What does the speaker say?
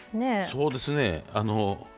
そうですね。